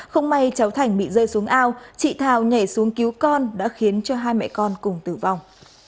không may cháu thành bị rơi xuống ao chị thảo nhảy xuống cứu con đã khiến cho hai mẹ con cùng tử vong